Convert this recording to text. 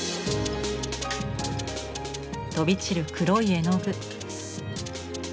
飛び散る黒い絵の具。